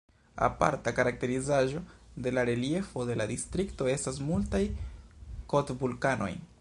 Aparta karakterizaĵo de la reliefo de la distrikto estas multaj kot-vulkanoj.